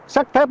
sắt thép nó